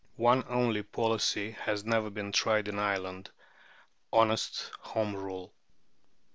One only policy has never been tried in Ireland honest Home Rule.